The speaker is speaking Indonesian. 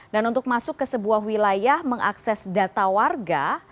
dan untuk masuk ke sebuah wilayah mengakses data warga